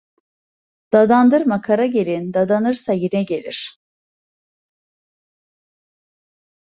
Dadandırma kara gelin, dadanırsa yine gelir.